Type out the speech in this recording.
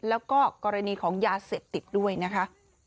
แล้วก็กรณีของยาเสพติดด้วยนะคะ